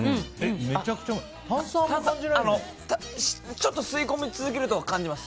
ちょっと吸い込み続けると感じます。